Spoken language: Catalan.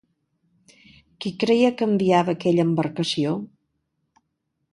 Qui creia que enviava aquella embarcació?